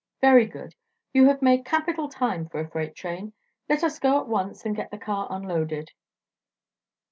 "Very good. You have made capital time, for a freight train. Let us go at once and get the car unloaded."